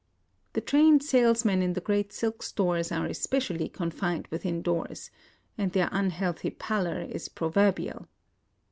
The trained sales men in the great silk stores are especially confined within doors, — and their unhealthy pallor is proverbial.